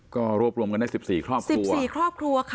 ก็รวบรวมกันได้๑๔ครอบครัว